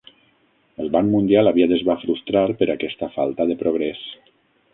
El Banc Mundial aviat es va frustrar per aquesta falta de progrés.